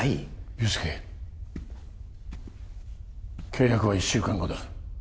憂助契約は１週間後だ